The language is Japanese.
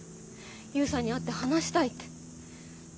「悠さんに会って話したい」って。